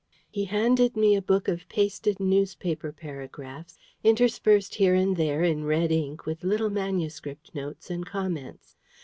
He handed me a book of pasted newspaper paragraphs, interspersed here and there in red ink with little manuscript notes and comments.